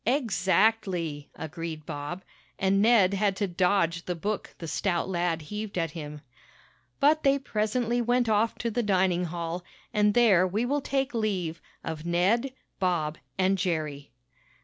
"Exactly!" agreed Bob, and Ned had to dodge the book the stout lad heaved at him. But they presently went off to the dining hall, and there we will take leave of Ned, Bob and Jerry.